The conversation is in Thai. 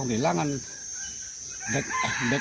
เสียงปืนนึงไม่ได้